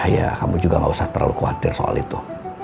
ya kamu juga gak usah terlalu khawatir soal itu